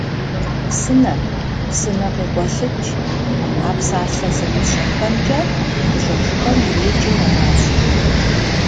Псынэ, псынэ къикъуэлъыкӀ - а псалъэ зэмыщхьхэмкӀэ къыщӀэжыпӀэм иреджэу аращ.